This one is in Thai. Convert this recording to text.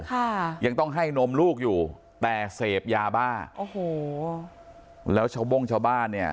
ค่ะยังต้องให้นมลูกอยู่แต่เสพยาบ้าโอ้โหแล้วชาวโบ้งชาวบ้านเนี่ย